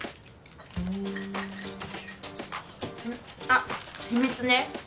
あっ秘密ね